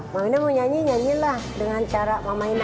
mama ina mau nyanyi nyanyilah dengan cara mama ina